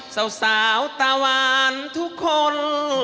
สาวตาวานทุกคน